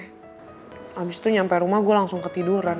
habis itu nyampe rumah gue langsung ketiduran